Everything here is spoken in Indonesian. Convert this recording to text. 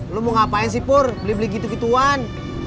lo mau ngapain sih pur beli beli gitu gituan